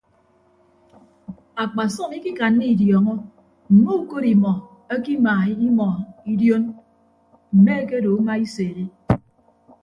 Akpasọm ikikanna idiọọñọ mme ukod imọ ekima imọ idion mme ekedo uma iso edet.